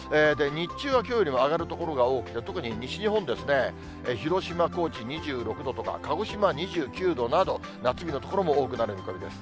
日中はきょうよりも上がる所が多くて、特に西日本ですね、広島、高知２６度とか、鹿児島は２９度など、夏日の所も多くなる見込みです。